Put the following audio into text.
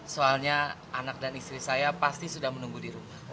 soalnya anak dan istri saya pasti sudah menunggu di rumah